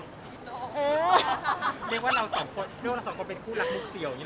เรียกว่าเราสองเป็นคู่รักมุกเซียว